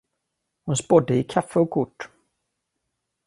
Hon spådde i kaffe och kort.